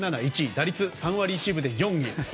打率、３割１分で４位。